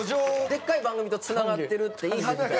でっかい番組とつながってるって言い張って。